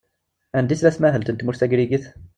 Anda i tella tmahelt n tmurt tagrigit?